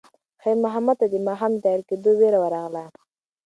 خیر محمد ته د ماښام د تیاره کېدو وېره ورغله.